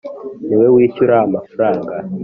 Ni we wishyura amafaranga.